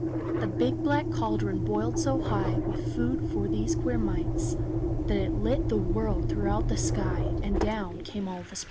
The big black caldron boiled so high With food for these queer mites, That it lit the world throughout the sky, And down came all the Sprites.